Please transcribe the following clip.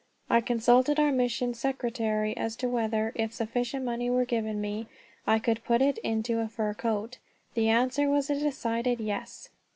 I consulted our mission secretary as to whether, if sufficient money were given me, I could put it into a fur coat. The answer was a decided "Yes."